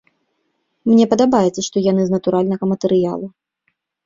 Мне падабаецца, што яны з натуральнага матэрыялу.